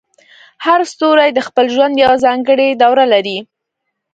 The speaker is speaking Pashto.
هر ستوری د خپل ژوند یوه ځانګړې دوره لري.